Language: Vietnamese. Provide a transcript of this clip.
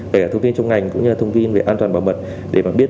kể cả thông tin trong ngành cũng như là thông tin về an toàn bảo mật